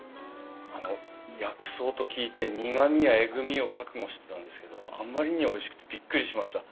あの薬草と聞いて苦みやえぐみを覚悟してたんですけどあまりにおいしくてビックリしました。